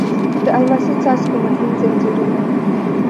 د الماسې څاڅکو مهین ځنځیرونه یې